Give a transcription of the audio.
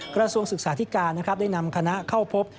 กระทรวงศึกษาธิการได้นำคณะเข้าพบ